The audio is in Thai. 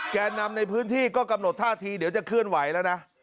แก่นำในพื้นที่ก็กำหนดท่าทีเดี๋ยวจะเคลื่อนไหวแล้วนะ